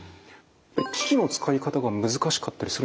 機器の使い方が難しかったりするんですか？